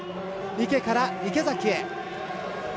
池から池崎へ。